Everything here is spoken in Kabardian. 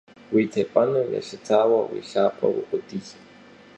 Уи тепӏэным елъытауэ, уи лъакъуэр укъуэдий.